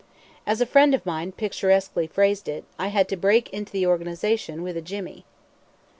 As a friend of mine picturesquely phrased it, I "had to break into the organization with a jimmy."